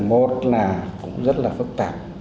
một là cũng rất là phức tạp